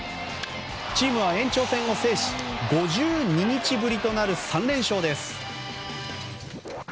チームは延長戦を制し５２日ぶりとなる３連勝です。